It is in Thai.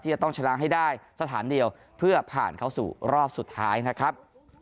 จะต้องชนะให้ได้สถานเดียวเพื่อผ่านเข้าสู่รอบสุดท้ายนะครับ